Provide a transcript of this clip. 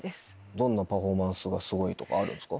どんなパフォーマンスがすごいとかあるんですか？